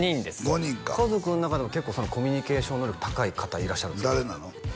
５人か家族の中でも結構コミュニケーション能力高い方いらっしゃるんですか？